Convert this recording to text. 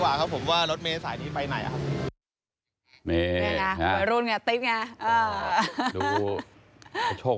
แล้วถ้าเซลฟี่มันสวยได้ยัง